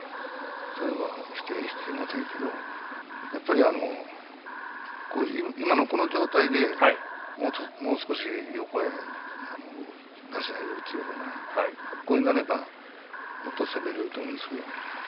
それは否定していませんけどやっぱり今のこの状態でもう少し横へ出し投げを打つような格好になればもっと攻められると思うんですよ。